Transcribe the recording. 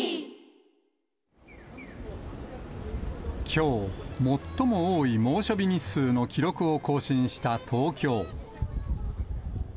きょう、最も多い猛暑日日数の記録を更新した東京。